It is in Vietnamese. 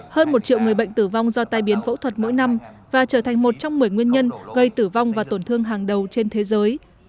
hơn một triệu người bệnh tử vong do tai biến phẫu thuật mỗi năm và trở thành một trong một mươi nguyên nhân gây tử vong và tổn thương hàng đầu trên thế giới